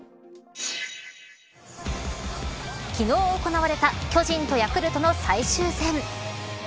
昨日行われた巨人とヤクルトの最終戦。